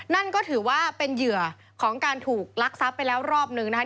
นั่นก็ถือว่าเป็นเหยื่อของการถูกลักทรัพย์ไปแล้วรอบนึงนะคะ